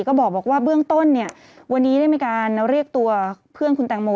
ก็บอกว่าเบื้องต้นเนี่ยวันนี้ได้มีการเรียกตัวเพื่อนคุณแตงโม